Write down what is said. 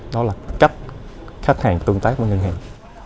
đó là cách khách hàng tương tác với ngân hàng